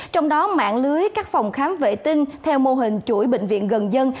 trong đó mạng lưới các phòng khám vệ tinh theo mô hình chuỗi bệnh viện gần dân